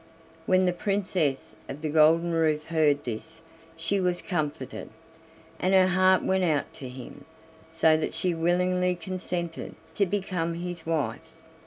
When the Princess of the Golden Roof heard this she was comforted, and her heart went out to him, so that she willingly consented to become his wife.